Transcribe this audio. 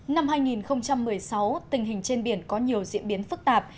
năm hai nghìn một mươi sáu tình hình trên biển có nhiều diễn biến phức tạp